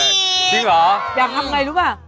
อยากทำยังไงไม่รู้ป่๊ะ